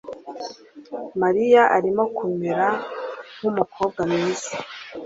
Mariya arimo kumera nk'umukobwa mwiza